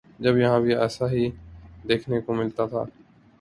جب یہاں بھی ایسا ہی دیکھنے کو ملتا تھا۔